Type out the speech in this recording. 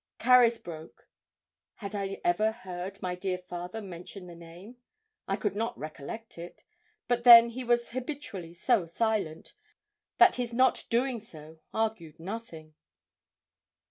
Carysbroke had I ever heard my dear father mention that name? I could not recollect it. But then he was habitually so silent, that his not doing so argued nothing.